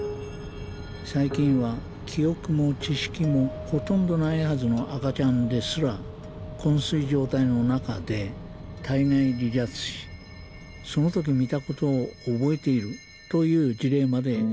最近は記憶も知識もほとんどないはずの赤ちゃんですら昏睡状態の中で体外離脱しその時見た事を覚えているという事例まで出てきています。